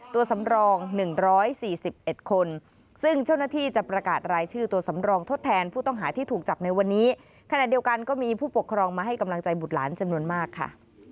ตัวสำรอง๑๔๑คนซึ่งเจ้าหน้าที่จะประกาศรายชื่อตัวสำรองทดแทนผู้ต้องหาที่ถูกจับในวันนี้ขณะเดียวกันก็มีผู้ปกครองมาให้กำลังใจบุตรหลานจำนวนมากค่ะ